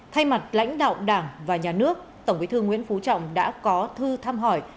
thay mặt lãnh đạo đảng và nhà nước tổng bí thư nguyễn phú trọng đã có thư thăm hỏi